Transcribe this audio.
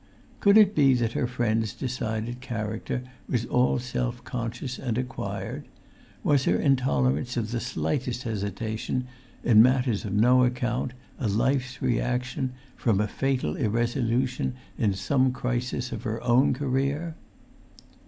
Could it be that her friend's decided character was all self conscious and acquired? Was her intolerance of the slightest hesitation, in matters of no account, a life's reaction from a fatal irresolution in some crisis of her own career?